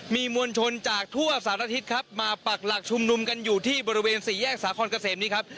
มีมวลชนจากทั่วสารทิศครับมาปักหลักชุมนุมกันอยู่ที่บริเวณสี่แยกสาคอนเกษมนี้ครับ